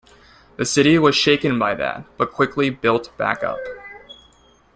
The city was shaken by that, but quickly built back up.